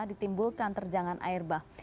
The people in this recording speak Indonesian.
ditimbulkan terjangan air bah